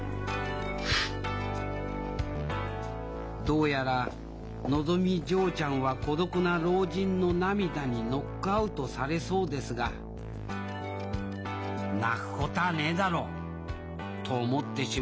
どうやらのぞみ嬢ちゃんは孤独な老人の涙にノックアウトされそうですが「泣くこたあねえだろう」と思ってしまう小生でありました